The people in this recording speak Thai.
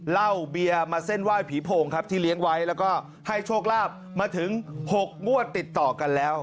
เหล้าเบียร์มาเส้นไหว้ผีโพงครับที่เลี้ยงไว้แล้วก็ให้โชคลาภมาถึง๖งวดติดต่อกันแล้ว